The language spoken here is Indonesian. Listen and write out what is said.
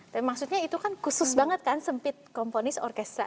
tapi maksudnya itu kan khusus banget kan sempit komponis orkesa